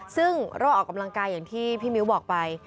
ซึ่งโรคออกกำลังกายอย่างที่พี่มิ้วบอกไป